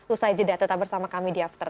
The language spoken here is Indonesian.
usai jeda tetap bersama kami di after sepuluh